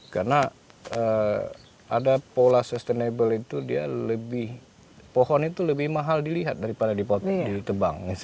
karena ada pola sustainable itu dia lebih pohon itu lebih mahal dilihat daripada di tebang